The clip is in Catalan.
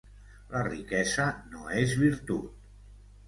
La riquesa no és virtut.